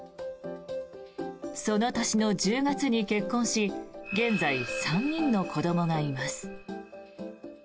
その年の１０月に結婚し現在、３人の子どもがいます。